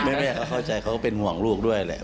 แม่ก็เข้าใจเขาก็เป็นห่วงลูกด้วยแหละ